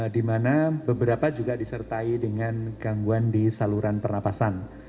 di mana beberapa juga disertai dengan gangguan di saluran pernapasan